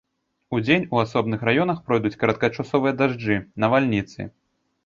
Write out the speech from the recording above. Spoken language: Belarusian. Удзень у асобных раёнах пройдуць кароткачасовыя дажджы, навальніцы.